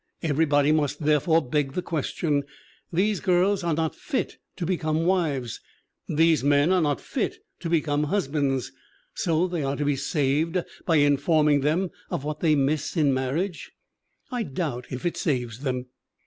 Everybody must therefore beg the question. These girls are not fit to become wives, these men are not fit to become husbands, so they are to be saved by in forming them of what they miss in marriage. I doubt if it saves them.